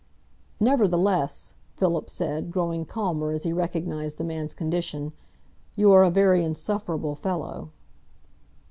"Nevertheless," Philip said, growing calmer as he recognised the man's condition, "you are a very insufferable fellow."